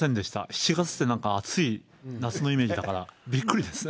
７月ってなんか、暑い夏のイメージだから、びっくりですね。